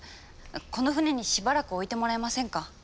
この船にしばらく置いてもらえませんか？